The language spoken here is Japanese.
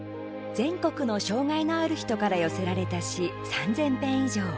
全国の障害のある人から寄せられた詩、３０００編以上。